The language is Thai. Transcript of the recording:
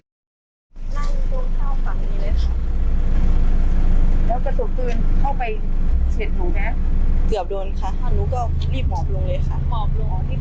นั่งตัวข้าวฝั่งนี้เลยครับ